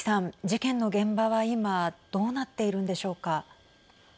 事件の現場は今どうなっているんでしょうか。